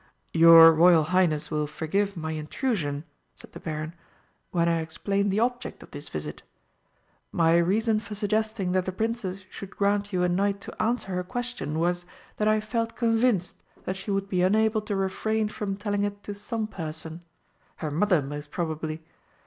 "Your Royal Highness will forgive my intrusion," said the Baron, "when I explain the object of this visit. My reason for suggesting that the Princess should grant you a night to answer her question was that I felt convinced that she would be unable to refrain from telling it to some person her mother, most probably.